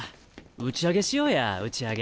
打ち上げしようや打ち上げ。